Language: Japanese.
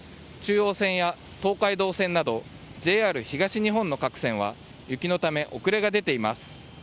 中央線や東海道線などＪＲ東日本の各線は雪のため遅れが出ています。